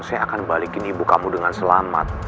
saya akan balikin ibu kamu dengan selamat